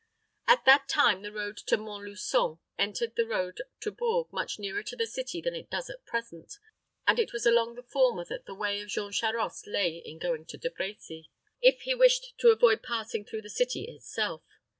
At that time the road to Mont Luçon entered the road to Bourges much nearer to the city than it does at present, and it was along the former that the way of Jean Charost lay in going to De Brecy, if he wished to avoid passing through the city itself.